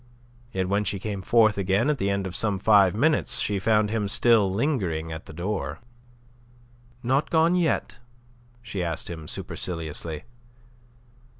Yet when she came forth again at the end of some five minutes, she found him still lingering at the door. "Not gone yet?" she asked him, superciliously.